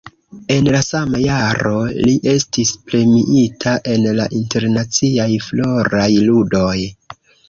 En la sama jaro li estis premiita en la Internaciaj Floraj Ludoj.